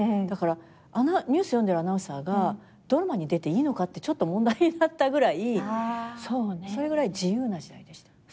だからニュース読んでるアナウンサーがドラマに出ていいのかってちょっと問題になったぐらいそれぐらい自由な時代でした。